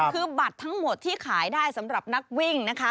คือบัตรทั้งหมดที่ขายได้สำหรับนักวิ่งนะคะ